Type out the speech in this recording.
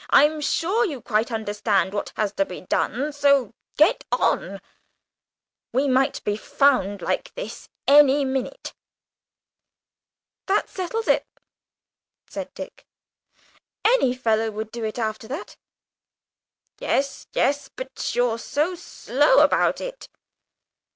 I'm sure you quite understand what has to be done, so get on. We might be found like this any minute." "That settles it," said Dick, "any fellow would do it after that." "Yes, yes, but you're so slow about it!"